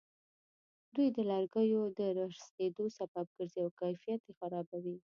دوی د لرګیو د ورستېدلو سبب ګرځي او کیفیت یې خرابوي.